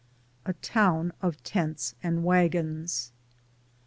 A TOWN OF TENTS AND WAGONS.